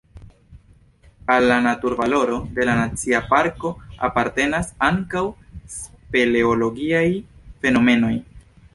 Al la naturvaloro de la nacia parko apartenas ankaŭ speleologiaj fenomenoj.